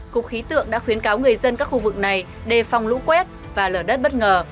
cục khí tượng đã khuyến cáo người dân các khu vực này đề phòng lũ quét và lở đất bất ngờ